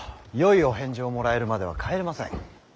よいお返事をもらえるまでは帰れません。